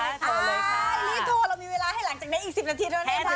รีบโทรเรามีเวลาให้หลังจากนี้อีก๑๐นาทีด้วยนะคะ